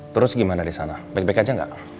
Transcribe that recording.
terus gimana di sana baik baik aja nggak